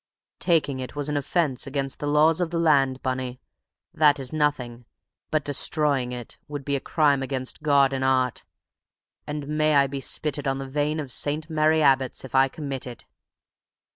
"Taking it was an offence against the laws of the land, Bunny. That is nothing. But destroying it would be a crime against God and Art, and may I be spitted on the vane of St. Mary Abbot's if I commit it!"